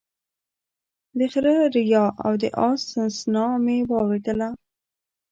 د خره ريا او د اس سسنا مې واورېدله